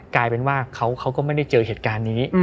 กลายเป็นว่าเขาก็ไม่ได้เจอเหตุการณ์นี้